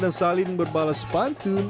dan saling berbalas pantun